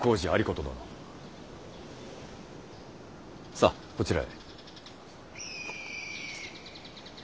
さあこちらへ。